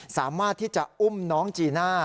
สามารถที่จะอุ้มน้องจีน่า